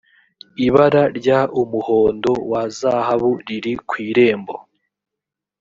ibara ry umuhondo wa zahabu riri kwirembo